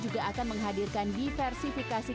kita akan untuk undang undang